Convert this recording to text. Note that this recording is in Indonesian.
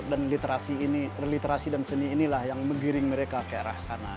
dan literasi dan seni inilah yang mengiring mereka ke arah sana